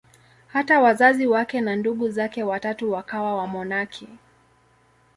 Hata wazazi wake na ndugu zake watatu wakawa wamonaki.